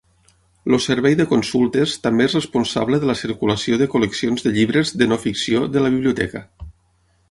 El Servei de Consultes també és responsable de la circulació de col·leccions de llibres de no-ficció de la biblioteca.